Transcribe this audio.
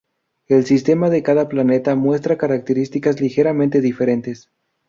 El sistema de cada planeta muestra características ligeramente diferentes.